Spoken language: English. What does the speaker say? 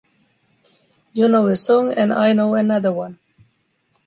You know a song and I know another one.